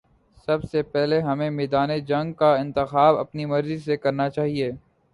سب سے پہلے ہمیں میدان جنگ کا انتخاب اپنی مرضی سے کرنا چاہیے۔